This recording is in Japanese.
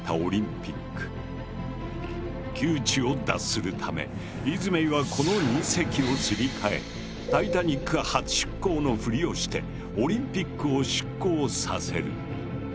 窮地を脱するためイズメイはこの２隻をすり替えタイタニック初出航のふりをしてオリンピックを出航させる。